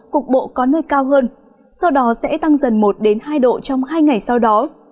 cục bộ có nơi cao hơn sau đó sẽ tăng dần một hai độ trong hai ngày sau đó